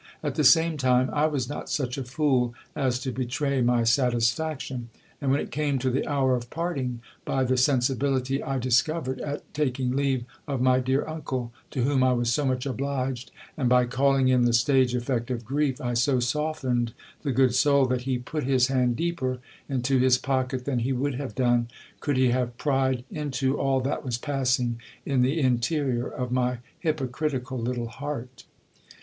At the same time, I was not such a fool as to betray my satisfaction ; and when it came to the hour of parting, by the sensibility I dis covered at taking leave of my dear uncle, to whom I was so much obliged, and by calling in the stage effect of grief, I so softened the good soul, that he put his hand deeper into his pocket than he would have done, could he have pried into all that was passing in the interior of my hypocritical little heart.